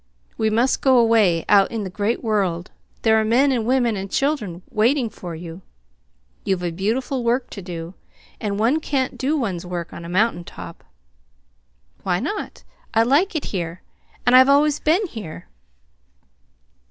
"We must go away. Out in the great world there are men and women and children waiting for you. You've a beautiful work to do; and one can't do one's work on a mountain top." "Why not? I like it here, and I've always been here."